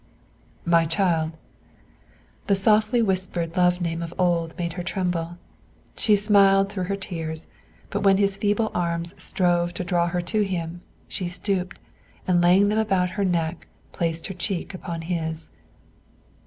"My child." The softly whispered love name of old made her tremble; she smiled through her tears, but when his feeble arms strove to draw her to him, she stooped, and laying them about her neck, placed her cheek upon his.